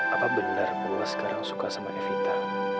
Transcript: apa benar pola sekarang suka sama evita